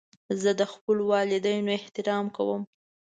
زه د خپلو والدینو احترام کوم.